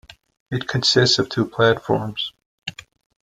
It consists of two platforms.